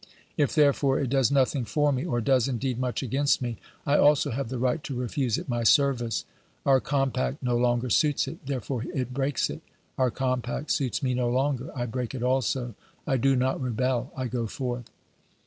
If, therefore, it does nothing for me, or does indeed much against me, I also have the right to refuse it my service. Our compact no longer suits it, therefore it breaks it ; our compact suits me no longer, I break it also. I do not rebel, I go forth.